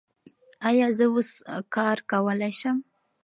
ایا زه اوس کار کولی شم؟